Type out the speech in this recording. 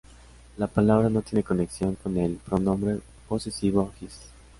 La palabra no tiene conexión con el pronombre posesivo "his".